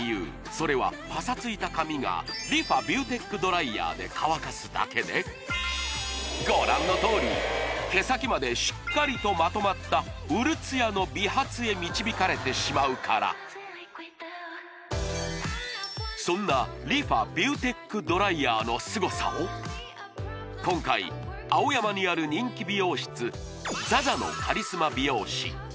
それはパサついた髪がご覧のとおり毛先までしっかりとまとまったうるツヤの美髪へ導かれてしまうからそんなＲｅＦａビューテックドライヤーのすごさを今回青山にある人気美容室ＺＡ／ＺＡのカリスマ美容師